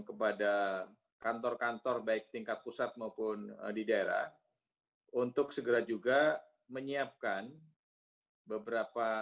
kepada kantor kantor baik tingkat pusat maupun di daerah untuk segera juga menyiapkan beberapa